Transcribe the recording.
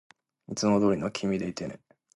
いつもどうりの君でいてね